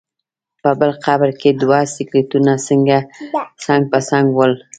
په بل قبر کې دوه سکلیټونه څنګ په څنګ ول.